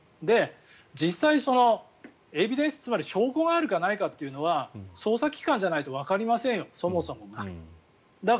実際、エビデンスつまり証拠があるかないかというのは捜査機関じゃないとわかりませんよ、そもそもが。